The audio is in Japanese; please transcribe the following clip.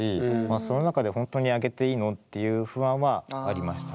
その中で本当にあげていいの？っていう不安はありました。